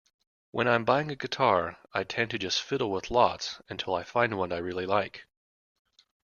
When I'm buying a guitar I tend to just fiddle with lots until I find one I really like.